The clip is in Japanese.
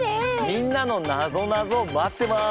みんなのなぞなぞ待ってます！